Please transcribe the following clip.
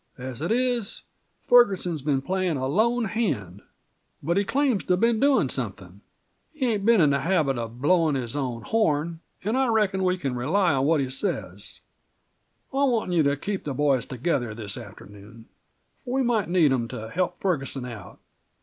As it is, Ferguson's been playin' a lone hand. But he claims to have been doin' somethin'. He ain't been in the habit of blowin' his own horn, an' I reckon we can rely on what he says. I'm wantin' you to keep the boys together this afternoon, for we might need them to help Ferguson out.